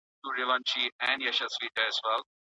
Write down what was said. که ته غواړې ویډیو خوندي کړي نو په اکسپورټ کلیک وکړه.